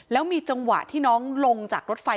แล้วมีจังหวะที่น้องลงจากรถไฟ